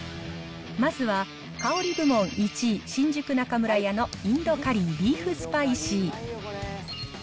まずは香り部門１位、新宿中村屋のインドカリービーフスパイシー。